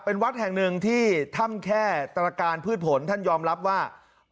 เป็นวัดแห่งหนึ่งที่ถ้ำแค่ตรการพืชผลท่านยอมรับว่า